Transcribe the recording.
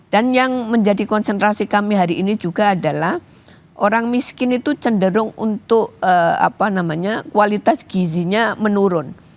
dan yang menjadi konsentrasi kami hari ini juga adalah orang miskin itu cenderung untuk kualitas gizinya menurun